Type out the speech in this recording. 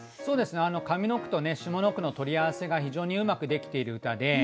上の句と下の句の取り合わせが非常にうまくできている歌で。